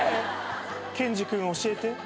ケンジ君教えて。